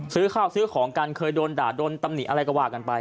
ซื้อข้าวซื้อของกันเคยโดนด่าโดนตำหนิอะไรก็ว่ากันไป